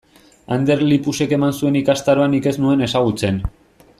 Ander Lipusek eman zuen ikastaroa nik ez nuen ezagutzen.